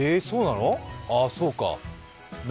そうか、何？